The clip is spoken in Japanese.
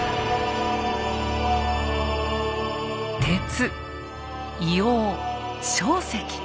鉄硫黄硝石。